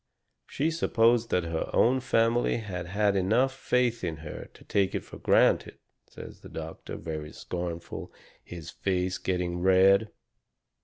"She supposed that her own family had enough faith in her to take it for granted," says the doctor, very scornful, his face getting red.